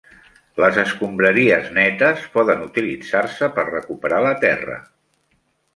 Les escombraries netes poden utilitzar-se per recuperar la terra.